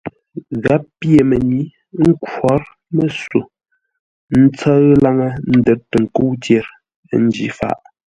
Gháp pyê mənyǐ, ə́ nkhwǒr məsô ńtsə́ʉ laŋə́ ə́ ndə́r tə nkə́u tyer, ə́ njǐ faʼ.